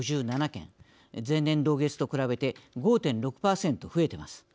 前年同月と比べて５．６％増えています。